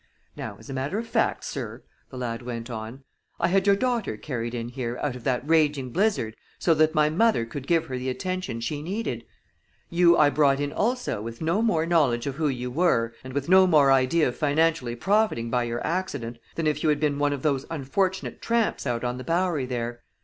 Now, as a matter of fact, sir," the lad went on, "I had your daughter carried in here out of that raging blizzard so that my mother could give her the attention she needed. You I brought in also with no more knowledge of who you were, and with no more idea of financially profiting by your accident, than if you had been one of those unfortunate tramps out on the Bowery there.